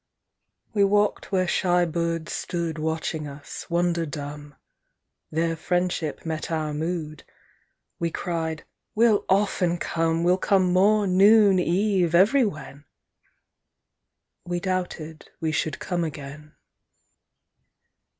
We walked where shy birds stood Watching us, wonder dumb; Their friendship met our mood; We cried: "We'll often come: We'll come morn, noon, eve, everywhen!" —We doubted we should come again.